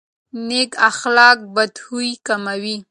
نیک اخلاق بدخويي کموي.